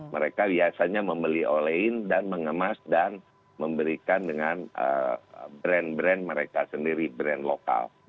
mereka biasanya membeli olene dan mengemas dan memberikan dengan brand brand mereka sendiri brand lokal